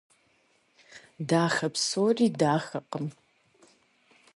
Дахэ псори дахэкъым.